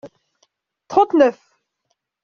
Trente-neuf.